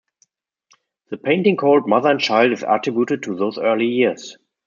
The painting called "Mother and Child" is attributed to those early years.